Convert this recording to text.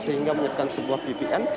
sehingga menyiapkan sebuah vpn